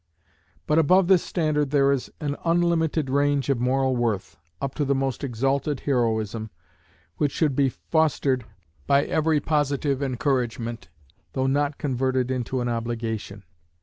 But above this standard there is an unlimited range of moral worth, up to the most exalted heroism, which should be fostered by every positive encouragement, though not converted into an obligation.